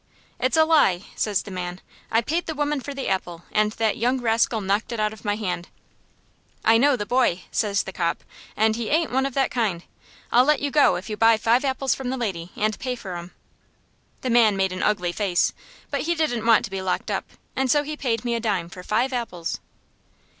"'It's a lie,' says the man. 'I paid the woman for the apple, and that young rascal knocked it out of my hand.' "'I know the boy,' says the cop, 'and he ain't one of that kind. I'll let you go if you buy five apples from the lady, and pay for 'em.' "The man made up an ugly face, but he didn't want to be locked up, and so he paid me a dime for five apples."